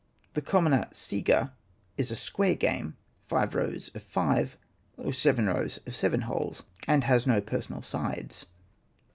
The commoner siga is a square game, five rows of five, or seven rows of seven holes, and has no personal sides.